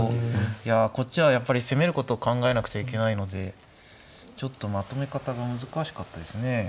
いやこっちはやっぱり攻めることを考えなくちゃいけないのでちょっとまとめ方が難しかったですね。